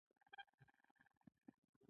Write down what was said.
نوی سوېلي ویلز د والي له لوري اداره کېده.